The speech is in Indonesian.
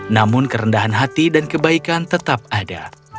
namun kerendahan hati dan kebaikan tetap ada